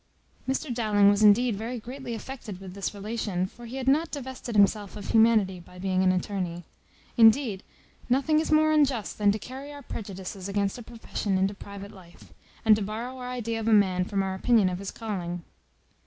Mr Dowling was indeed very greatly affected with this relation; for he had not divested himself of humanity by being an attorney. Indeed, nothing is more unjust than to carry our prejudices against a profession into private life, and to borrow our idea of a man from our opinion of his calling.